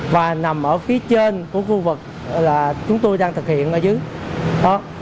và nằm ở phía trên của khu vực là chúng tôi đang thực hiện ở dưới